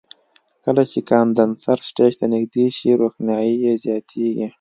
کله چې کاندنسر سټیج ته نږدې شي روښنایي یې زیاتیږي.